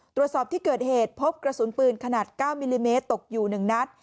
ตรวจสอบที่เกิดเหตุพบกระสุนปืนขนาด๙มิลลิเมตรตกอยู่๑นัด